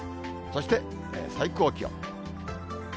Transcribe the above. そして最高気温。